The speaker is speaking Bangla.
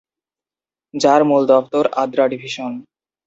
যার মূল দফতর আদ্রা ডিভিশন।